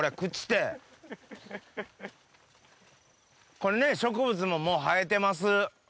これね植物ももう生えてます。